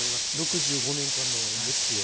６５年間の歴史で。